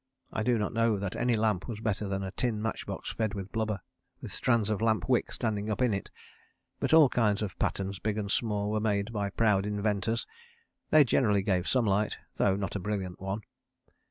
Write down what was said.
I do not know that any lamp was better than a tin matchbox fed with blubber, with strands of lamp wick sticking up in it, but all kinds of patterns big and small were made by proud inventors; they generally gave some light, though not a brilliant one.